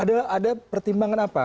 ada pertimbangan apa